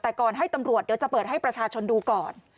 แต่ก่อนให้ตำรวจเดี๋ยวจะเปิดให้ประชาชนดูก่อน